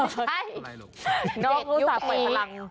น้องมูสาปหมายพลัง